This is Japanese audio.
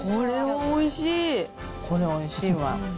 これ、おいしいわ。